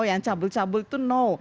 yang cabul cabul itu no